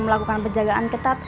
tapi jika ada stand up yang ditetap